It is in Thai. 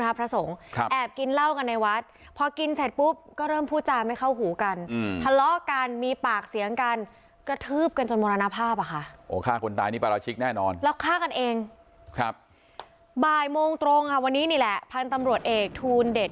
หนีแปลวันนี้เนี่ยแหละพันธุ์ทำรวจเอกทุนเดช